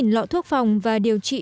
sáu lọ thuốc phòng và điều trị